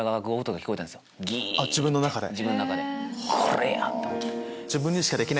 ギィって自分の中でこれや！と思って。